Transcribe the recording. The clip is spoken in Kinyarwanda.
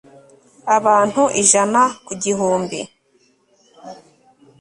abantu ijana ku gihumbi